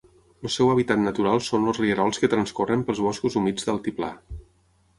El seu hàbitat natural són els rierols que transcorren pels boscos humits d'altiplà.